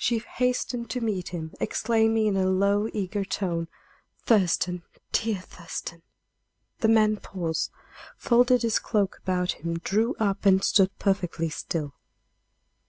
She hastened to meet him, exclaiming in a low, eager tone: "Thurston! dear Thurston!" The man paused, folded his cloak about him, drew up, and stood perfectly still.